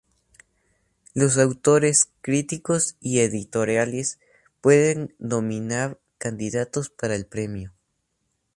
Los autores, críticos y editoriales pueden nominar candidatos para el premio.